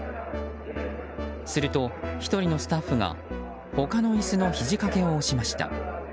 すると、１人のスタッフが他の椅子のひじ掛けを押しました。